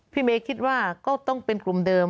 เมย์คิดว่าก็ต้องเป็นกลุ่มเดิม